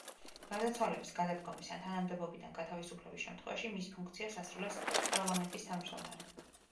გარდაცვალების, გადადგომის ან თანამდებობიდან გათავისუფლების შემთხვევაში მის ფუნქციებს ასრულებს პარლამენტის თავმჯდომარე.